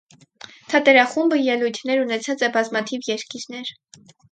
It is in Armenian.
Թատերախումբը ելոյթներ ունեցած է բազմաթիւ երկիրներ։